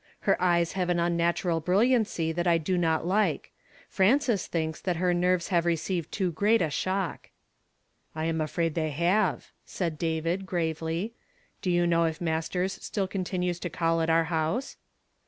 Her eyes have an unnatural brilliancy that I do not like. Frances thinks that her nerves have received too great a shock." "I am afraid they have," said David, gravely. " Do you know if jMasters still continues to call at our house